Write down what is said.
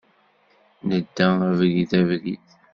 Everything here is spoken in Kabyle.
Nedda abrid, abrid.